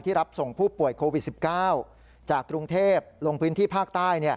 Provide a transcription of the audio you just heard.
รับส่งผู้ป่วยโควิด๑๙จากกรุงเทพลงพื้นที่ภาคใต้